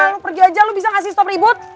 lo pergi aja lo bisa ngasih stop ribut